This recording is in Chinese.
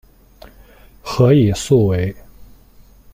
何以速为。